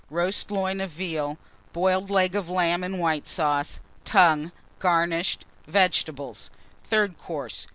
Roast Loin of Veal. Boiled Leg of Lamb and White Sauce. Tongue, garnished. Vegetables. THIRD COURSE.